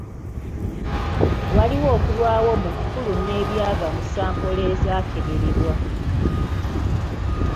Waliwo okulwawo mu kufulumya ebyava mu sampolo ezaakeberebwa.